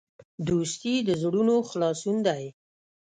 دوستي د زړونو خلاصون دی.